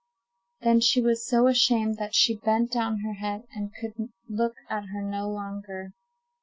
Then she was so ashamed that she bent down her head, and could look at her no longer.